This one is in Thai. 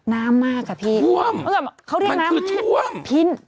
น้ำมากอะพี่เขาเรียกน้ำให้พ้นมันคือท่วม